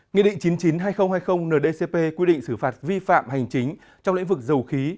nghị định chín mươi chín hai nghìn hai mươi ndcp quy định xử phạt vi phạm hành chính trong lĩnh vực dầu khí